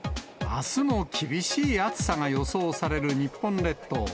あすも厳しい暑さが予想される日本列島。